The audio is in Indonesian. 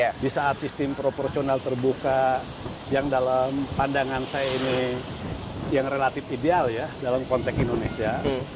karena itu kan sistem proporsional terbuka yang dalam pandangan saya ini yang relatif ideal ya dalam konteks indonesia